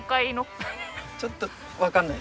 ちょっとわかんない。